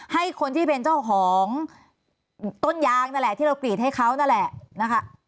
ให้คนที่เป็นเจ้าของต้นยางนั่นแหละที่เรากรีดให้เขานั่นแหละนะคะ